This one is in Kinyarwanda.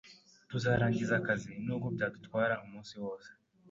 Tuzarangiza akazi nubwo byadutwara umunsi wose